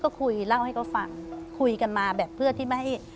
ก็คุยเล่าให้เขาฟังคุยกันมาแบบเพื่อที่ไม่ให้